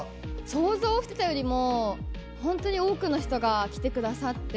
想像してたよりも本当に多く人たちが来てくださって。